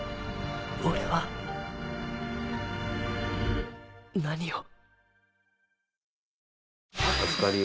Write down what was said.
俺は。何を。